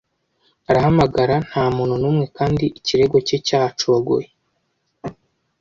arahamagara nta muntu n'umwe kandi ikirego cye cyacogoye